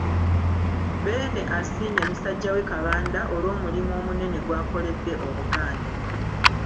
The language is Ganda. Beene asiimye musajja we Kabanda olw'omulimu omunene gw'akoledde Obuganda.